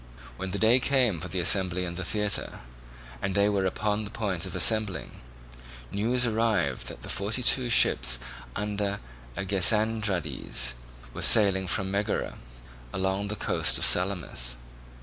When the day came for the assembly in the theatre, and they were upon the point of assembling, news arrived that the forty two ships under Agesandridas were sailing from Megara along the coast of Salamis.